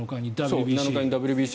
７日にＷＢＣ。